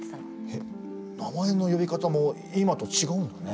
えっ名前の呼び方も今と違うんだね。